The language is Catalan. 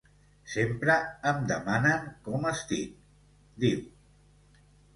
Sempre em demanen com estic, diu.